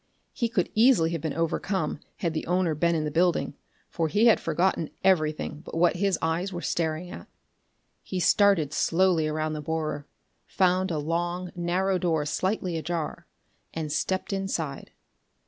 He could easily have been overcome, had the owner been in the building, for he had forgotten everything but what his eyes were staring at. He started slowly around the borer, found a long narrow door slightly ajar, and stepped inside.